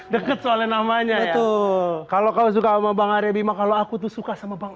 deket soalnya namanya tuh kalau kamu suka sama bang arya bima kalau aku tuh suka sama bang